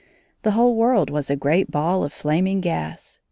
The whole world was a great ball of flaming gas.